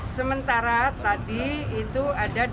sementara tadi itu ada